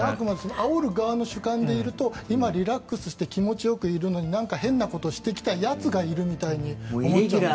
あおる側の主観でいると今、リラックスしてるのになんか変なことしてきたやつがいるみたいに思っちゃう。